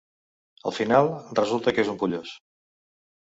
Al final, resulta que és un pollós.